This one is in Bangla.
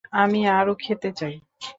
আমি আরো খেতে চাই।